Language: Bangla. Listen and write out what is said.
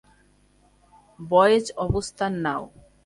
বয়েজ, অবস্থান নাও।